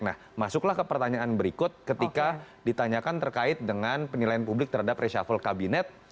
nah masuklah ke pertanyaan berikut ketika ditanyakan terkait dengan penilaian publik terhadap reshuffle kabinet